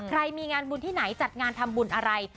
ใครมีงานบุญที่ไหนจัดงานทำบุญอะไร